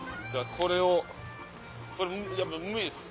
これやっぱ無理です。